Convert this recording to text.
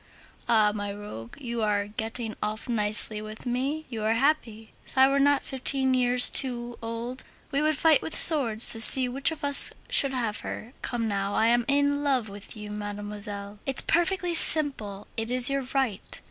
Ah! my rogue, you are getting off nicely with me, you are happy; if I were not fifteen years too old, we would fight with swords to see which of us should have her. Come now! I am in love with you, mademoiselle. It's perfectly simple. It is your right.